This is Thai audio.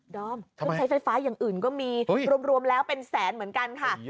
เครื่องใช้ไฟฟ้าอย่างอื่นก็มีรวมแล้วเป็นแสนเหมือนกันค่ะ